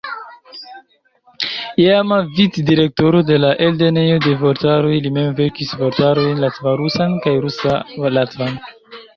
Iama vic-direktoro de la Eldonejo de Vortaroj, li mem verkis vortarojn latva-rusan kaj rusa-latvan.